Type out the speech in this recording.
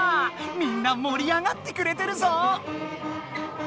みんなもり上がってくれてるぞ！